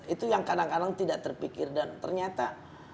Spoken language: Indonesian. itu yang kadang kadang tidak terpikir dan ternyata